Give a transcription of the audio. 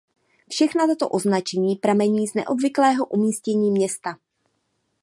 Všechna tato označení pramení z neobvyklého umístění města.